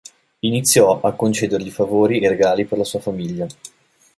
Iniziò a concedergli favori e regali per la sua famiglia.